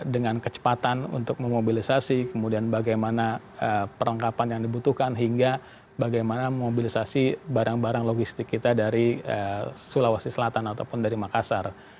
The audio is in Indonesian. dengan kecepatan untuk memobilisasi kemudian bagaimana perlengkapan yang dibutuhkan hingga bagaimana mobilisasi barang barang logistik kita dari sulawesi selatan ataupun dari makassar